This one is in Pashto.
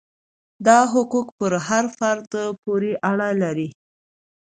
دا حقوق پر هر فرد پورې اړه لري.